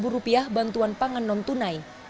dua ratus rupiah bantuan pangan non tunai